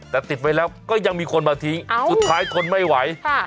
แต่ติดไว้แล้วก็ยังมีคนมาทิ้งสุดท้ายทนไม่ไหว